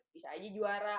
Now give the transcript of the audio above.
bisa aja juara